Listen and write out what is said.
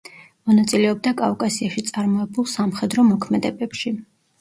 მონაწილეობდა კავკასიაში წარმოებულ სამხედრო მოქმედებებში.